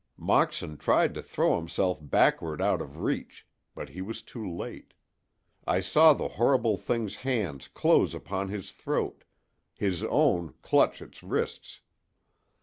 Moxon tried to throw himself backward out of reach, but he was too late: I saw the horrible thing's hands close upon his throat, his own clutch its wrists.